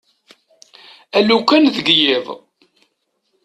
Alukan deg yiḍ.